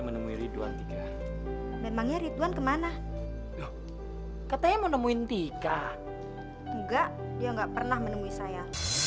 memangnya ridwan kemana katanya menemuin tika enggak dia enggak pernah menemui saya